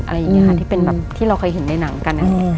อะไรอย่างนี้ค่ะที่เป็นแบบที่เราเคยเห็นในหนังกัน